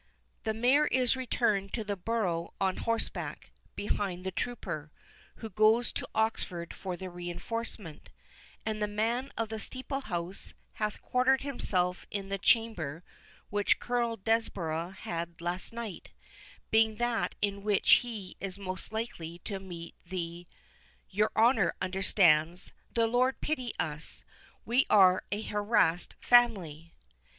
"The Mayor is returned to the borough on horseback, behind the trooper, who goes to Oxford for the reinforcement; and the man of the steeple house hath quartered himself in the chamber which Colonel Desborough had last night, being that in which he is most likely to meet the—your honour understands. The Lord pity us, we are a harassed family!"